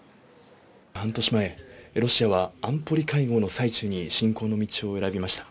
半年前、ロシアは安保理会合の最中に侵攻の道を選びました。